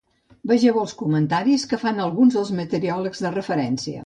Vegeu els comentaris que fan alguns dels meteoròlegs de referència.